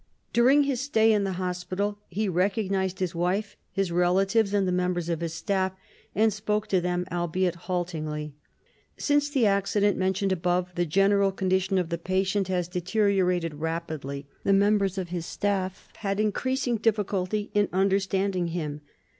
During his stay in the hospital, he recognized his wife, his relatives and the members of his staff, and spoke to them, albeit haltingly. Since the accident mentioned above, the general condition of the patient has deteriorated rapidly. The members of his staff had increasing difficulty in understanding him.